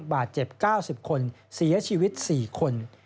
บาดเจ็บ๙๐คนเสียชีวิต๔คน